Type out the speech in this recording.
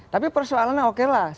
tapi persoalannya oke lah